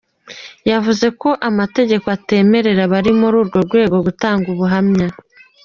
Yavuze ko amategeko atemera abari kuri urwo rwego gutanga ubuhamya.